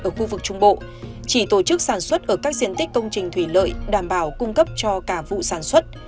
ở khu vực trung bộ chỉ tổ chức sản xuất ở các diện tích công trình thủy lợi đảm bảo cung cấp cho cả vụ sản xuất